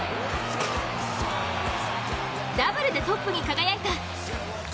ダブルでトップに輝いた。